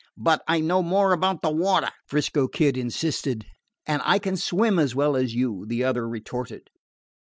"But I know more about the water," 'Frisco Kid insisted. "And I can swim as well as you," the other retorted.